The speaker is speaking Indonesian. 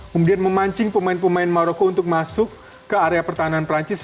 kemudian memancing pemain pemain maroko untuk masuk ke area pertahanan perancis